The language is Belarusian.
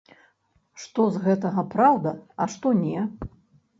Што з гэтага праўда, а што не?